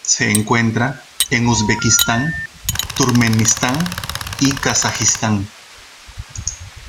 Se encuentra en Uzbekistán, Turkmenistán y Kazajistán.